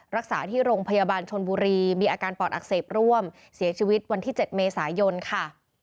รักษาที่โรงพยาบาลชนบุรีมีอาการปอดอักเสบร่วมเสียชีวิตวันที่๗เมษายนค่ะ